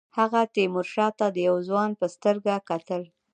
هغه تیمورشاه ته د یوه ځوان په سترګه کتل.